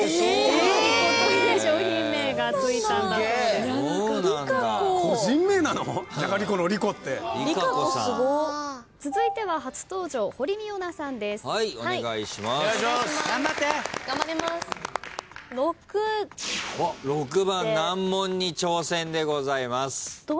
６番難問に挑戦でございます。